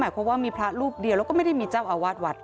ว่ามีพระรูปเดียวแล้วก็ไม่ได้มีเจ้าอาวาสวัด